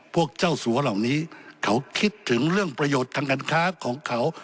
พวกเจ้าสัวเหล่านี้เขาคิดถึงเรื่องประโยชน์ทางการค้าของเขา